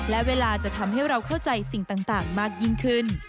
และเวลาจะทำให้เราเข้าใจสิ่งต่างมากยิ่งขึ้น